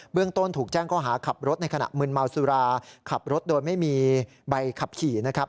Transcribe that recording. เรื่องต้นถูกแจ้งข้อหาขับรถในขณะมืนเมาสุราขับรถโดยไม่มีใบขับขี่นะครับ